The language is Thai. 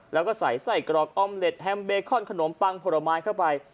แล้วก็ใส่ไส้กรอกออมเล็ตแฮมเบคอนขนมปังผลไม้เข้าไป